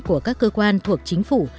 của các cơ quan thuộc chính phủ